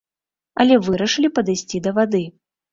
Але вырашылі падысці да вады.